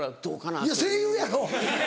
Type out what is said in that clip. いや声優やろ！